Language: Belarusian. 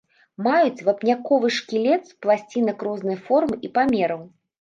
Маюць вапняковы шкілет з пласцінак рознай формы і памераў.